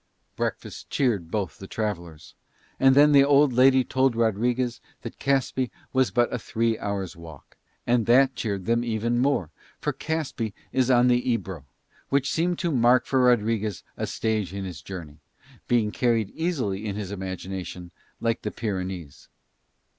Breakfast cheered both the travellers. And then the old lady told Rodriguez that Caspe was but a three hours' walk, and that cheered them even more, for Caspe is on the Ebro, which seemed to mark for Rodriguez a stage in his journey, being carried easily in his imagination, like the Pyrenees.